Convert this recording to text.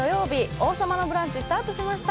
「王様のブランチ」スタートしました。